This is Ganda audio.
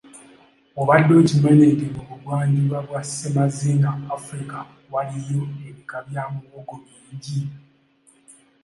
Obadde okimanyi nti mu bugwanjuba bwa Ssemazinga Africa waliyo ebika bya muwogo bingi?